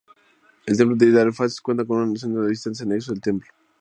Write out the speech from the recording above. El templo de Idaho Falls cuenta con una centro de visitantes anexo al templo.